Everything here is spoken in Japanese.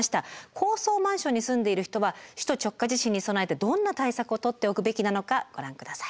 高層マンションに住んでいる人は首都直下地震に備えてどんな対策を取っておくべきなのかご覧下さい。